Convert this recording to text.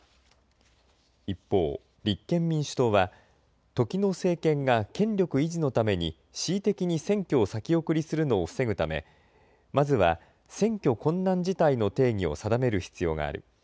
一方、立憲民主党は時の政権が権力維持のために恣意的に選挙を先送りするのを防ぐためまずは選挙困難事態の定義を定める必要がある。